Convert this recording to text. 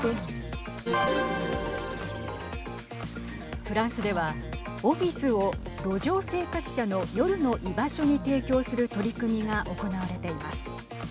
フランスではオフィスを路上生活者の夜の居場所に提供する取り組みが行われています。